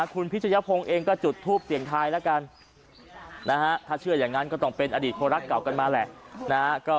คุณพิชยพงศ์เองก็จุดทูปเสียงทายแล้วกันถ้าเชื่ออย่างนั้นก็ต้องเป็นอดีตคนรักเก่ากันมาแหละ